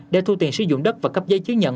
để thu tiền sử dụng đất và cấp giấy chứng nhận